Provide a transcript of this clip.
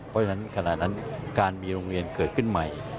เพราะฉะนั้นขณะนั้นการมีโรงเรียนเกิดขึ้นใหม่